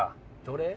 どれ？